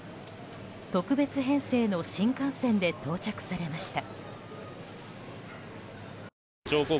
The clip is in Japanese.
特別編成の新幹線で到着されました。